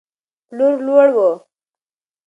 پلور لوړ و.